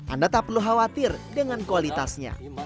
anda tak perlu khawatir dengan kualitasnya